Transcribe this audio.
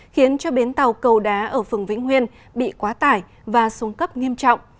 khiến cho bến tàu cầu đá ở phường vĩnh huyên bị quá tải và xuống cấp nghiêm trọng